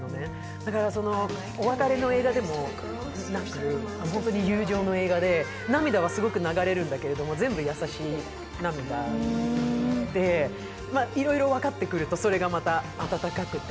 だからお別れの映画でも、特に友情の映画で涙はすごく流れるんだけれども、全部優しい涙でいろいろ分かってくるとそれがまた、温かくて。